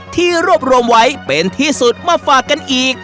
ที่รวบรวมไว้เป็นที่สุดมาฝากกันอีก